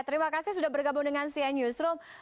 terima kasih sudah bergabung dengan cn newsroom